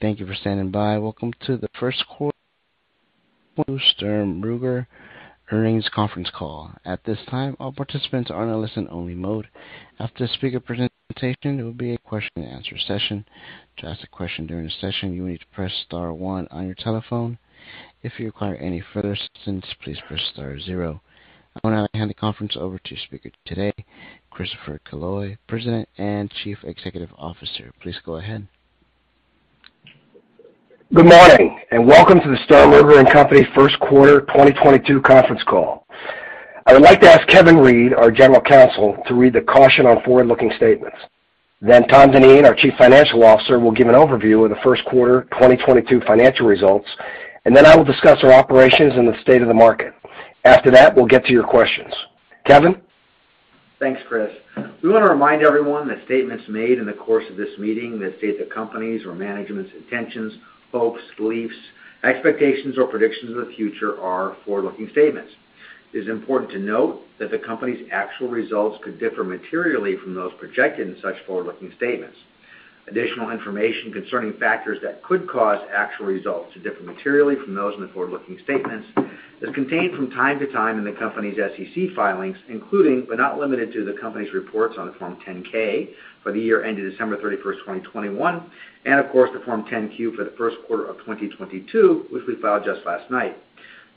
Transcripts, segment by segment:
Thank you for standing by. Welcome to the First Quarter Sturm, Ruger Earnings Conference Call. At this time, all participants are in a listen only mode. After the speaker presentation, there will be a question and answer session. To ask a question during the session, you will need to press star one on your telephone. If you require any further assistance, please press star zero. I want to hand the conference over to the speaker today, Christopher Killoy, President and Chief Executive Officer. Please go ahead. Good morning, and welcome to the Sturm, Ruger & Company First Quarter 2022 Conference Call. I would like to ask Kevin Reid, our General Counsel, to read the caution on forward-looking statements. Tom Dineen, our Chief Financial Officer, will give an overview of the first quarter 2022 financial results, and then I will discuss our operations in the state of the market. After that, we'll get to your questions. Kevin. Thanks, Chris. We want to remind everyone that statements made in the course of this meeting that state the company's or management's intentions, hopes, beliefs, expectations, or predictions of the future are forward-looking statements. It is important to note that the company's actual results could differ materially from those projected in such forward-looking statements. Additional information concerning factors that could cause actual results to differ materially from those in the forward-looking statements is contained from time to time in the company's SEC filings, including, but not limited to, the company's reports on the Form 10-K for the year ended December 31st, 2021, and of course, the Form 10-Q for the first quarter of 2022, which we filed just last night.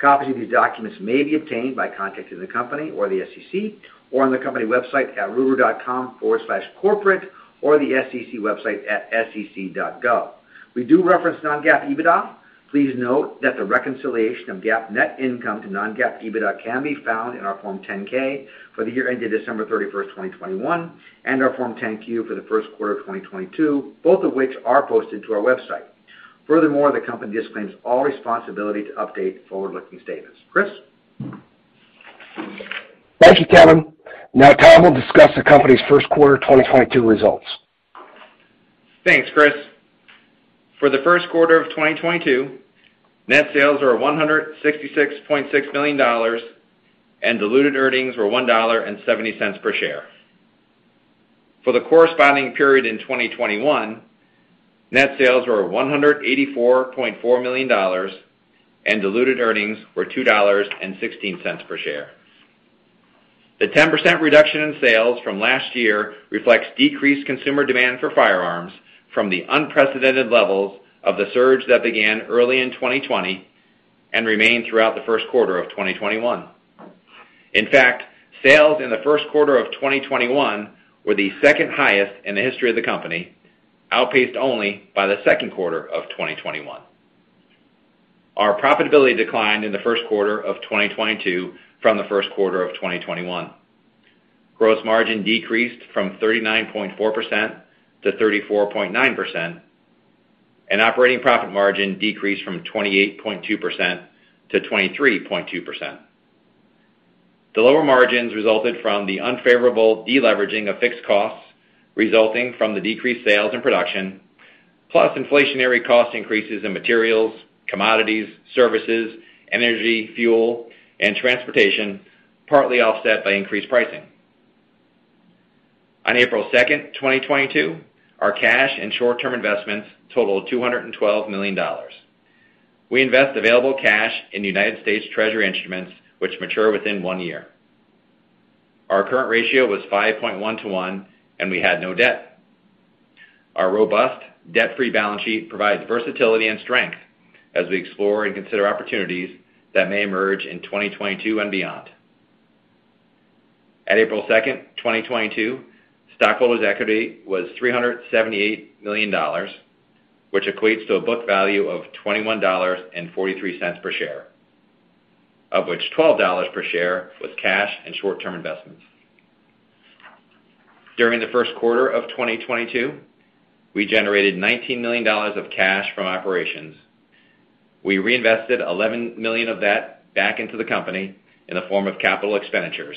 Copies of these documents may be obtained by contacting the company or the SEC, or on the company website at ruger.com/corporate or the SEC website at sec.gov. We do reference non-GAAP EBITDA. Please note that the reconciliation of GAAP net income to non-GAAP EBITDA can be found in our Form 10-K for the year ended December 31st, 2021, and our Form 10-Q for the first quarter of 2022, both of which are posted to our website. Furthermore, the company disclaims all responsibility to update forward-looking statements. Chris. Thank you, Kevin. Now Tom will discuss the company's first quarter 2022 results. Thanks, Chris. For the first quarter of 2022, net sales were $166.6 million, and diluted earnings were $1.70 per share. For the corresponding period in 2021, net sales were $184.4 million, and diluted earnings were $2.16 per share. The 10% reduction in sales from last year reflects decreased consumer demand for firearms from the unprecedented levels of the surge that began early in 2020 and remained throughout the first quarter of 2021. In fact, sales in the first quarter of 2021 were the second highest in the history of the company, outpaced only by the second quarter of 2021. Our profitability declined in the first quarter of 2022 from the first quarter of 2021. Gross margin decreased from 39.4% to 34.9%, and operating profit margin decreased from 28.2% to 23.2%. The lower margins resulted from the unfavorable deleveraging of fixed costs resulting from the decreased sales and production, plus inflationary cost increases in materials, commodities, services, energy, fuel, and transportation, partly offset by increased pricing. On April 2, 2022, our cash and short-term investments totaled $212 million. We invest available cash in United States Treasury instruments, which mature within one year. Our current ratio was 5.1 to 1, and we had no debt. Our robust debt-free balance sheet provides versatility and strength as we explore and consider opportunities that may emerge in 2022 and beyond. As of April 2nd, 2022, stockholders' equity was $378 million, which equates to a book value of $21.43 per share, of which $12 per share was cash and short-term investments. During the first quarter of 2022, we generated $19 million of cash from operations. We reinvested $11 million of that back into the company in the form of capital expenditures.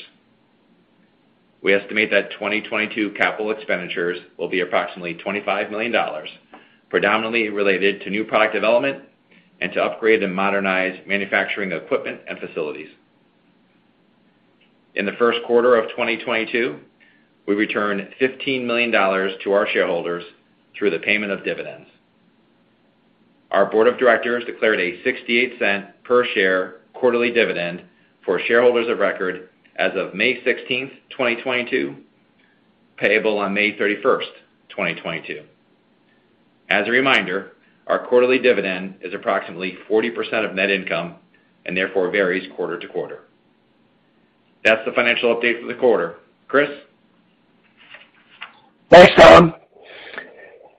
We estimate that 2022 capital expenditures will be approximately $25 million, predominantly related to new product development and to upgrade and modernize manufacturing equipment and facilities. In the first quarter of 2022, we returned $15 million to our shareholders through the payment of dividends. Our board of directors declared a $0.68 per share quarterly dividend for shareholders of record as of May 16th, 2022, payable on May 31st, 2022. As a reminder, our quarterly dividend is approximately 40% of net income and therefore varies quarter to quarter. That's the financial update for the quarter. Chris. Thanks, Tom.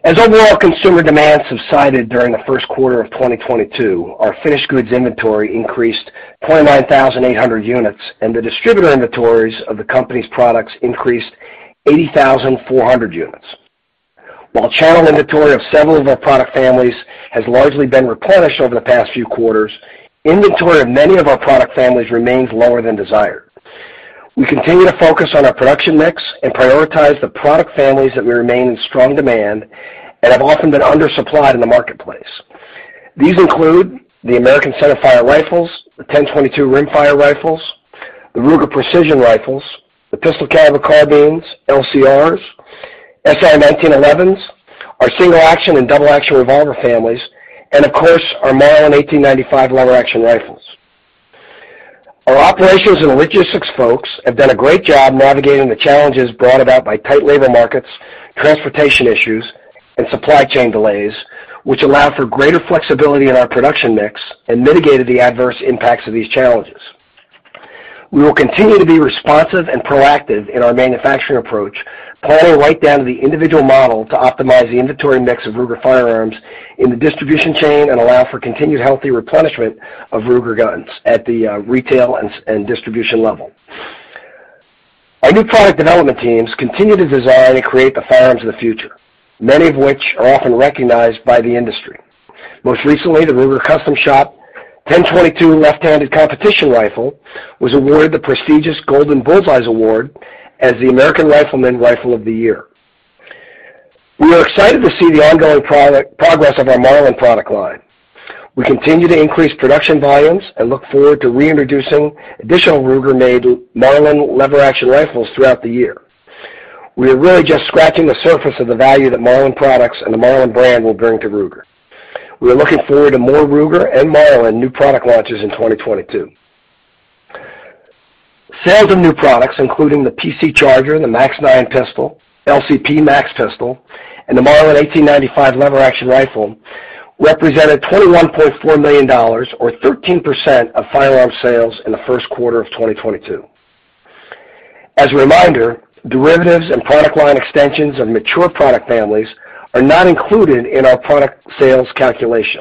As overall consumer demand subsided during the first quarter of 2022, our finished goods inventory increased 29,800 units, and the distributor inventories of the company's products increased 80,400 units. While channel inventory of several of our product families has largely been replenished over the past few quarters, inventory of many of our product families remains lower than desired. We continue to focus on our production mix and prioritize the product families that will remain in strong demand and have often been undersupplied in the marketplace. These include the Ruger American centerfire rifles, the Ruger 10/22 Rimfire rifles, the Ruger Precision Rifles, the pistol-caliber carbines, LCRs, SR1911s, our single action and double action revolver families, and of course, our Marlin 1895 lever-action rifles. Our operations and logistics folks have done a great job navigating the challenges brought about by tight labor markets, transportation issues, and supply chain delays, which allow for greater flexibility in our production mix and mitigated the adverse impacts of these challenges. We will continue to be responsive and proactive in our manufacturing approach, all the way down to the individual model to optimize the inventory mix of Ruger firearms in the distribution chain and allow for continued healthy replenishment of Ruger guns at the retail and distribution level. Our new product development teams continue to design and create the firearms of the future, many of which are often recognized by the industry. Most recently, the Ruger Custom Shop 10/22 left-handed Competition Rifle was awarded the prestigious Golden Bullseye Award as the American Rifleman Rifle of the Year. We are excited to see the ongoing progress of our Marlin product line. We continue to increase production volumes and look forward to reintroducing additional Ruger-made Marlin lever-action rifles throughout the year. We are really just scratching the surface of the value that Marlin products and the Marlin brand will bring to Ruger. We are looking forward to more Ruger and Marlin new product launches in 2022. Sales of new products, including the PC Charger, the MAX-9 pistol, LCP MAX pistol, and the Marlin 1895 lever-action rifle represented $21.4 million or 13% of firearm sales in the first quarter of 2022. As a reminder, derivatives and product line extensions of mature product families are not included in our new product sales calculation.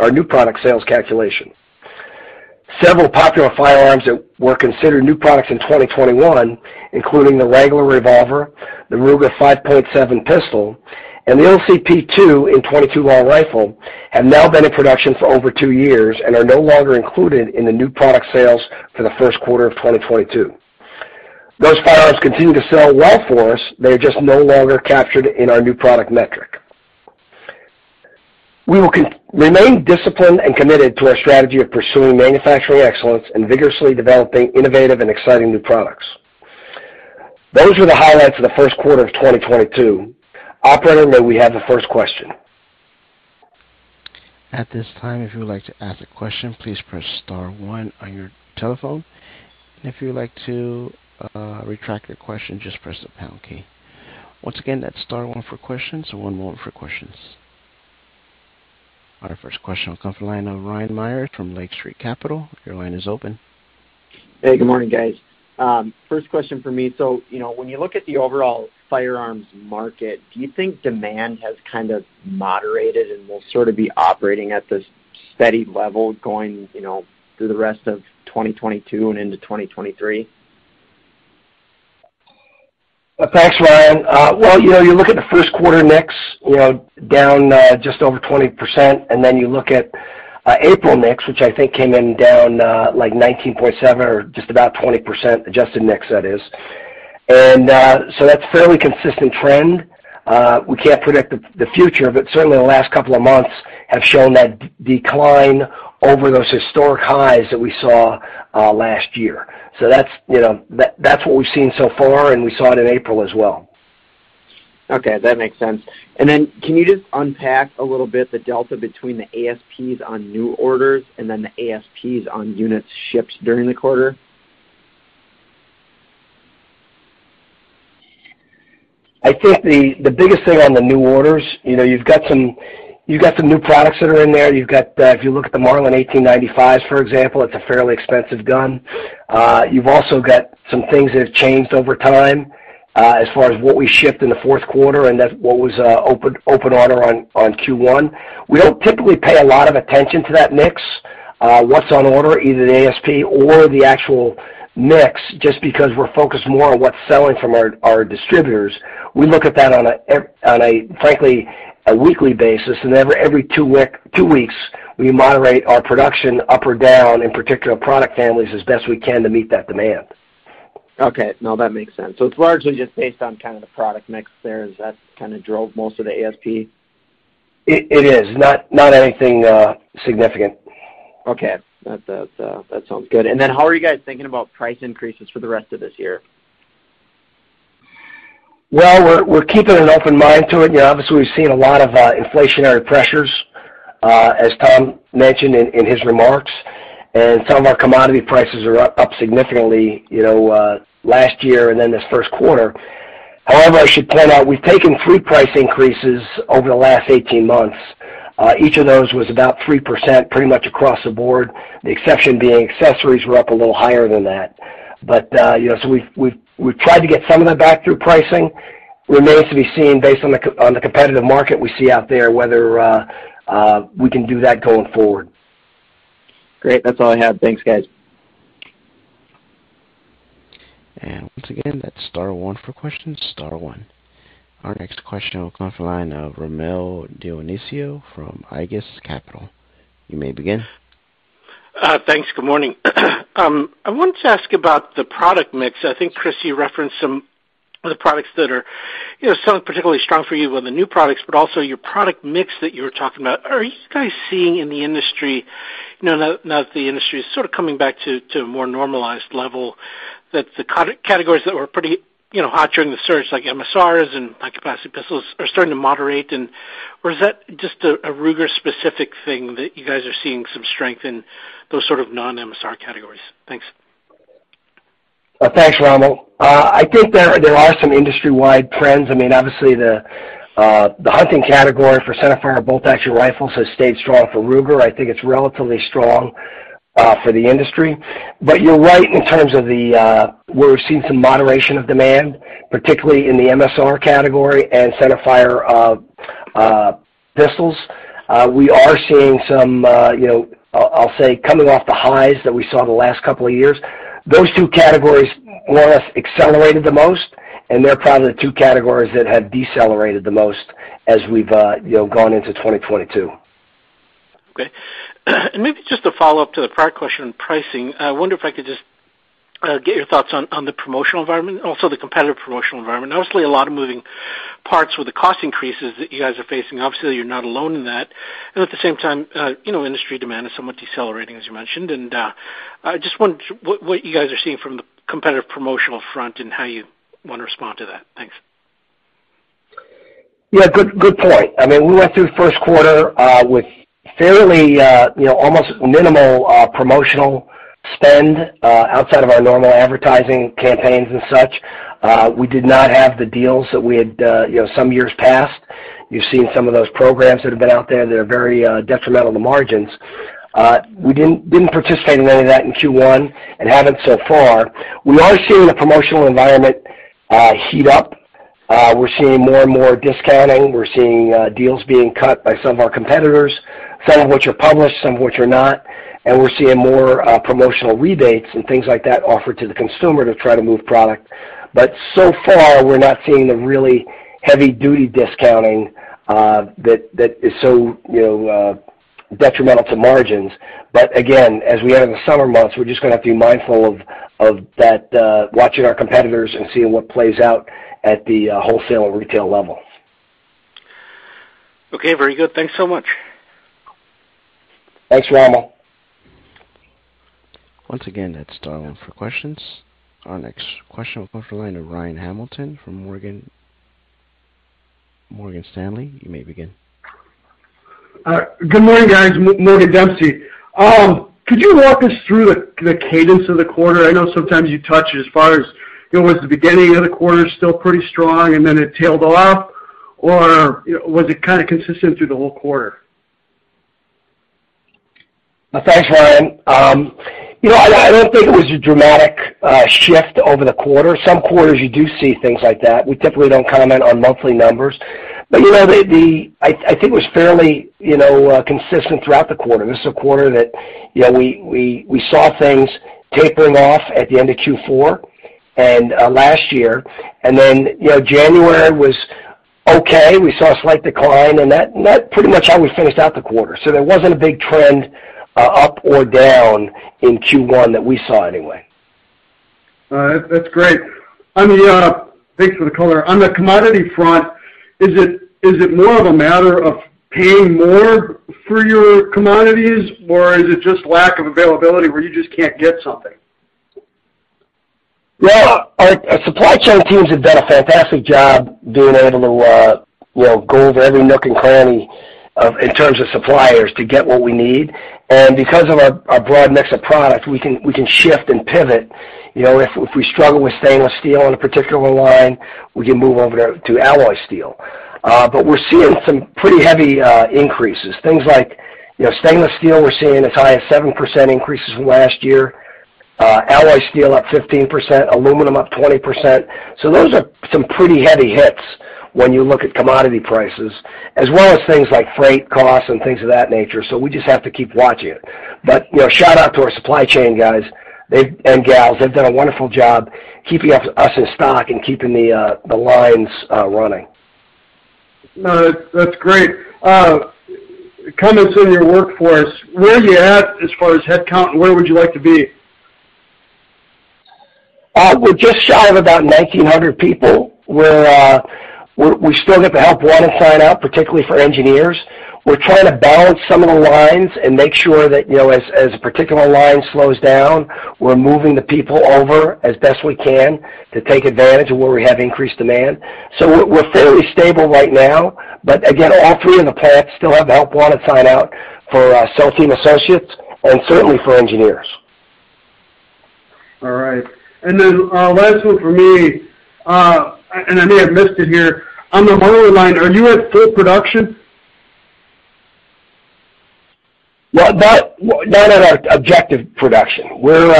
Several popular firearms that were considered new products in 2021, including the Wrangler Revolver, the Ruger-57 pistol, and the LCP II in .22 Long Rifle, have now been in production for over two years and are no longer included in the new product sales for the first quarter of 2022. Those firearms continue to sell well for us, they are just no longer captured in our new product metric. We will remain disciplined and committed to our strategy of pursuing manufacturing excellence and vigorously developing innovative and exciting new products. Those were the highlights of the first quarter of 2022. Operator, may we have the first question? At this time, if you would like to ask a question, please press star one on your telephone. If you would like to retract your question, just press the pound key. Once again, that's star one for questions. Our first question will come from the line of Ryan Meyers from Lake Street Capital. Your line is open. Hey, good morning, guys. First question for me. You know, when you look at the overall firearms market, do you think demand has kind of moderated and will sort of be operating at this steady level going, you know, through the rest of 2022 and into 2023? Thanks, Ryan. Well, you know, you look at the first quarter mix, you know, down just over 20%, and then you look at April mix, which I think came in down like 19.7% or just about 20% adjusted mix, that is. That's a fairly consistent trend. We can't predict the future, but certainly the last couple of months have shown that decline over those historic highs that we saw last year. That's, you know, that's what we've seen so far, and we saw it in April as well. Okay, that makes sense. Can you just unpack a little bit the delta between the ASPs on new orders and then the ASPs on units shipped during the quarter? I think the biggest thing on the new orders, you know, you've got some new products that are in there. You've got, if you look at the Marlin 1895s, for example, it's a fairly expensive gun. You've also got some things that have changed over time, as far as what we shipped in the fourth quarter, and that's what was open order on Q1. We don't typically pay a lot of attention to that mix, what's on order, either the ASP or the actual mix, just because we're focused more on what's selling from our distributors. We look at that on a frankly weekly basis, and every two weeks, we moderate our production up or down in particular product families as best we can to meet that demand. Okay. No, that makes sense. It's largely just based on kind of the product mix there, as that kind of drove most of the ASP. It is. Not anything significant. Okay. That sounds good. How are you guys thinking about price increases for the rest of this year? Well, we're keeping an open mind to it. You know, obviously, we've seen a lot of inflationary pressures, as Tom mentioned in his remarks, and some of our commodity prices are up significantly, you know, last year and then this first quarter. However, I should point out, we've taken three price increases over the last 18 months. Each of those was about 3% pretty much across the board. The exception being accessories were up a little higher than that. You know, we've tried to get some of that back through pricing. It remains to be seen based on the competitive market we see out there, whether we can do that going forward. Great. That's all I have. Thanks, guys. Once again, that's star one for questions, star one. Our next question will come from the line of Rommel Dionisio from Aegis Capital. You may begin. Thanks. Good morning. I wanted to ask about the product mix. I think, Chris, you referenced some of the products that are, you know, selling particularly strong for you on the new products, but also your product mix that you were talking about. Are you guys seeing in the industry, you know, now that the industry is sort of coming back to a more normalized level, that the categories that were pretty, you know, hot during the surge, like MSRs and high-capacity pistols are starting to moderate, or is that just a Ruger-specific thing that you guys are seeing some strength in those sort of non-MSR categories? Thanks. Thanks, Rommel. I think there are some industry-wide trends. I mean, obviously the hunting category for centerfire bolt-action rifles has stayed strong for Ruger. I think it's relatively strong for the industry. You're right in terms of where we're seeing some moderation of demand, particularly in the MSR category and centerfire pistols. We are seeing some, you know, I'll say, coming off the highs that we saw the last couple of years. Those two categories more or less accelerated the most, and they're probably the two categories that have decelerated the most as we've, you know, gone into 2022. Okay. Maybe just a follow-up to the prior question on pricing. I wonder if I could just get your thoughts on the promotional environment, also the competitive promotional environment. Obviously, a lot of moving parts with the cost increases that you guys are facing. Obviously, you're not alone in that. At the same time, you know, industry demand is somewhat decelerating, as you mentioned. I just wondered what you guys are seeing from the competitive promotional front and how you wanna respond to that. Thanks. Yeah, good point. I mean, we went through the first quarter with fairly, you know, almost minimal promotional spend outside of our normal advertising campaigns and such. We did not have the deals that we had, you know, some years past. You've seen some of those programs that have been out there that are very detrimental to margins. We didn't participate in any of that in Q1 and haven't so far. We are seeing the promotional environment heat up. We're seeing more and more discounting. We're seeing deals being cut by some of our competitors, some of which are published, some of which are not. We're seeing more promotional rebates and things like that offered to the consumer to try to move product. So far, we're not seeing the really heavy-duty discounting, uh that is so, you know, uh detrimental to margins. Again, as we enter the summer months, we're just gonna have to be mindful of that, watching our competitors and seeing what plays out at the wholesale or retail level. Okay, very good. Thanks so much. Thanks, Rommel. Once again, that's dial one for questions. Our next question comes from the line of Ryan Hamilton from Morgan Stanley. You may begin. Good morning, guys. Morgan Dempsey. Could you walk us through the cadence of the quarter? I know sometimes you touch as far as, you know, was the beginning of the quarter still pretty strong, and then it tailed off, or, you know, was it kinda consistent through the whole quarter? Thanks, Ryan. You know, I don't think it was a dramatic shift over the quarter. Some quarters you do see things like that. We typically don't comment on monthly numbers. You know, I think it was fairly, you know, consistent throughout the quarter. This is a quarter that, you know, we saw things tapering off at the end of Q4 and last year. Then, you know, January was okay. We saw a slight decline, and that pretty much how we finished out the quarter. There wasn't a big trend up or down in Q1, that we saw anyway. All right. That's great. Thanks for the color. On the commodity front, is it more of a matter of paying more for your commodities, or is it just lack of availability where you just can't get something? Well, our supply chain teams have done a fantastic job being able to, you know, go over every nook and cranny in terms of suppliers to get what we need. Because of our broad mix of product, we can shift and pivot. You know, if we struggle with stainless steel in a particular line, we can move over to alloy steel. But we're seeing some pretty heavy increases. Things like, you know, stainless steel, we're seeing as high as 7% increases from last year. Alloy steel up 15%, aluminum up 20%. Those are some pretty heavy hits when you look at commodity prices, as well as things like freight costs and things of that nature. We just have to keep watching it. You know, shout out to our supply chain guys. They've done a wonderful job keeping us in stock and keeping the lines running. No, that's great. Comments on your workforce. Where are you at as far as headcount, and where would you like to be? We're just shy of about 1,900 people. We still have the help wanted sign out, particularly for engineers. We're trying to balance some of the lines and make sure that, you know, as a particular line slows down, we're moving the people over as best we can to take advantage of where we have increased demand. We're fairly stable right now, but again, all three of the plants still have the help wanted sign out for cell team associates and certainly for engineers. All right. Last one from me. I may have missed it here. On the Marlin line, are you at full production? Well, not at our objective production. We're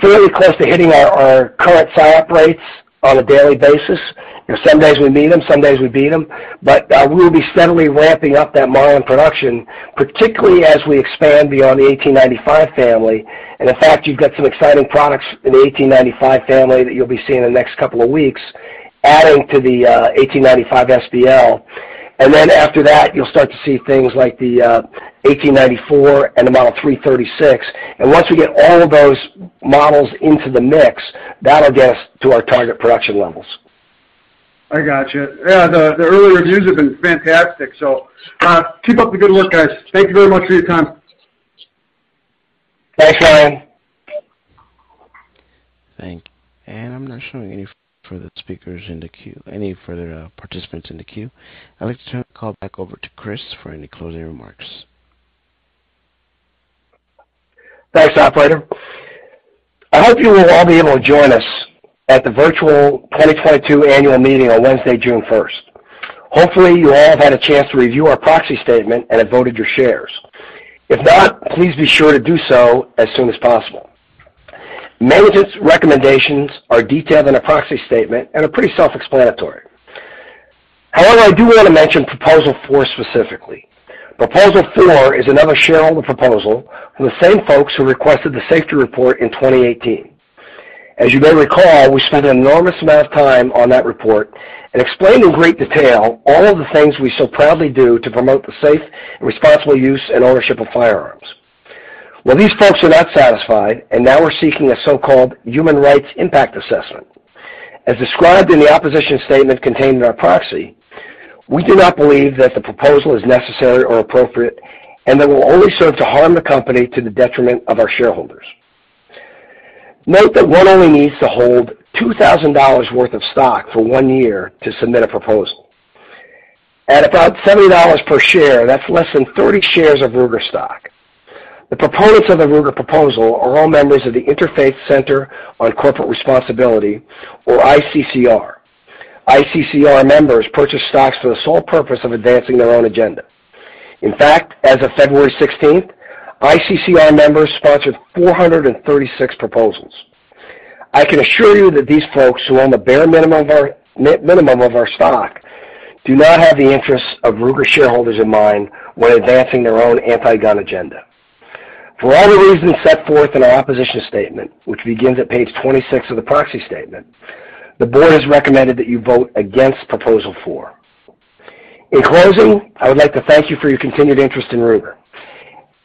fairly close to hitting our current sign-up rates on a daily basis. You know, some days we meet them, some days we beat them. We'll be steadily ramping up that Marlin production, particularly as we expand beyond the 1895 family. In fact, you've got some exciting products in the 1895 family that you'll be seeing in the next couple of weeks. Adding to the 1895 SBL. Then after that, you'll start to see things like the 1894 and the Model 336. Once we get all of those models into the mix, that'll get us to our target production levels. I gotcha. Yeah, the early reviews have been fantastic, so keep up the good work, guys. Thank you very much for your time. Thanks, Ryan. Thank you. I'm not showing any further speakers in the queue, any further, participants in the queue. I'd like to turn the call back over to Chris for any closing remarks. Thanks, operator. I hope you will all be able to join us at the virtual 2022 annual meeting on Wednesday, June 1st. Hopefully, you all have had a chance to review our proxy statement and have voted your shares. If not, please be sure to do so as soon as possible. Management's recommendations are detailed in a proxy statement and are pretty self-explanatory. However, I do want to mention proposal four specifically. Proposal four is another shareholder proposal from the same folks who requested the safety report in 2018. As you may recall, we spent an enormous amount of time on that report and explained in great detail all of the things we so proudly do to promote the safe and responsible use and ownership of firearms. Well, these folks are not satisfied, and now we're seeking a so-called human rights impact assessment. As described in the opposition statement contained in our proxy, we do not believe that the proposal is necessary or appropriate and that will only serve to harm the company to the detriment of our shareholders. Note that one only needs to hold $2,000 worth of stock for one year to submit a proposal. At about $70 per share, that's less than 30 shares of Ruger stock. The proponents of the Ruger proposal are all members of the Interfaith Center on Corporate Responsibility or ICCR. ICCR members purchase stocks for the sole purpose of advancing their own agenda. In fact, as of February 16th, ICCR members sponsored 436 proposals. I can assure you that these folks who own the bare minimum of our stock do not have the interests of Ruger shareholders in mind when advancing their own anti-gun agenda. For all the reasons set forth in our opposition statement, which begins at page 26 of the proxy statement, the board has recommended that you vote against proposal four. In closing, I would like to thank you for your continued interest in Ruger,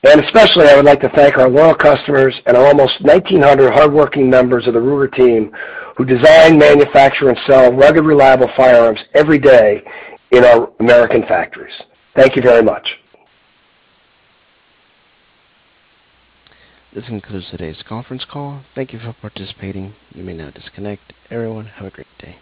and especially I would like to thank our loyal customers and our almost 1,900 hardworking members of the Ruger team who design, manufacture, and sell rugged, reliable firearms every day in our American factories. Thank you very much. This concludes today's conference call. Thank you for participating. You may now disconnect. Everyone, have a great day.